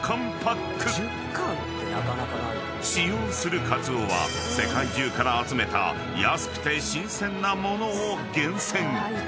［使用するカツオは世界中から集めた安くて新鮮な物を厳選］